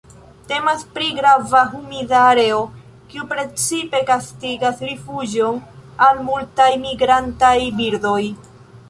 Temas pri grava humida areo, kiu precipe gastigas rifuĝon al multaj migrantaj birdoj.